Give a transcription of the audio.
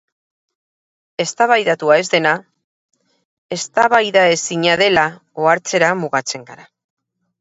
Eztabaidatua ez dena eztabaidaezina dela ohartzera mugatzen gara.